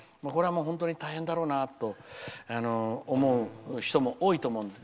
これは本当に大変だろうなと思う人も多いと思う。